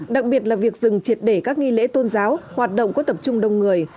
đặc biệt là việc dừng triệt để các nghi lễ tôn giáo hoạt động có tập trung đông người